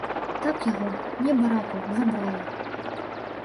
Так яго, небараку, забрала.